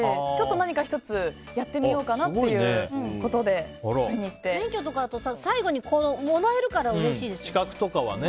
何か１つやってみようかなっていうことで免許とかだと最後にもらえるからうれしいですよね。